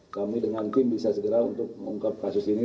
kami dengan tim bisa segera untuk mengungkap kasus ini